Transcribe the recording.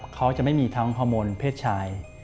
เขาจะไม่มีทั้งฮอร์โมนเพศชาย